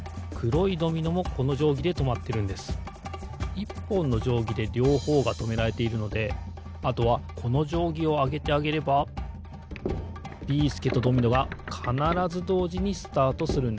１ぽんのじょうぎでりょうほうがとめられているのであとはこのじょうぎをあげてあげればビーすけとドミノがかならずどうじにスタートするんです。